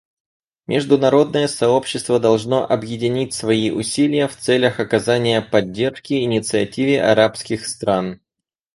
Международное сообщество должно объединить свои усилия в целях оказания поддержки инициативе арабских стран.